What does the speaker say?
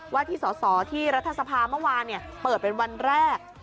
ว่าที่สอสอที่รัฐสภาเมื่อวานเปิดเป็นวันแรก